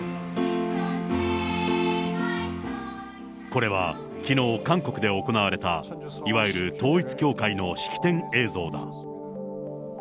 これはきのう、韓国で行われた、いわゆる統一教会の式典映像だ。